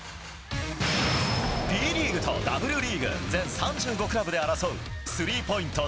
ＢリーグとＷリーグ、全３５クラブで争う、スリーポイント